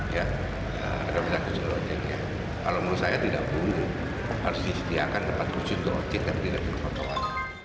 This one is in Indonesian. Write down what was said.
kalau menurut saya tidak perlu harus disediakan tempat kursi trotik tapi tidak untuk trotoar